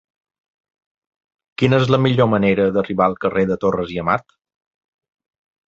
Quina és la millor manera d'arribar al carrer de Torres i Amat?